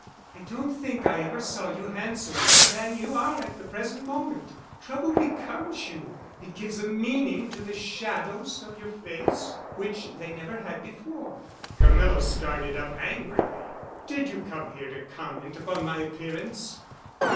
"I don't think I ever saw you handsomer than you are at the present moment. Trouble becomes you, it gives a meaning to the shadows of your face which they never had before." Camilla started up angrily. "Did you come here to comment upon my appearance?"